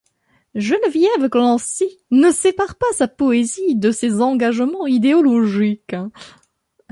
Geneviève Clancy ne sépare pas sa poésie de ses engagements idéologiques.